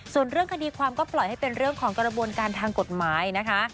ส่วนเรื่องคดีความก็ปล่อยให้เป็นเรื่องของกระบวนการทางกฎหมายนะคะ